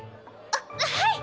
はっはい！